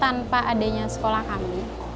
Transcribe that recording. tanpa adanya sekolah kami